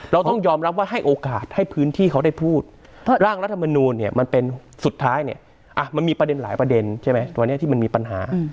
เราต้องยอมรับว่าให้โอกาสให้พื้นที่เขาได้พูดร่างรัฐมนูลเนี่ยมันเป็นสุดท้ายเนี่ยมันมีประเด็นหลายประเด็นใช่ไหมวันนี้ที่มันมีปัญหา